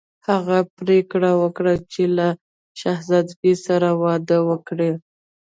هغه پریکړه وکړه چې له شهزادګۍ سره واده وکړي.